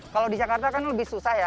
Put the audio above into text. kalau di jakarta kan lebih susah ya